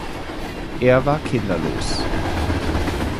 Er war kinderlos.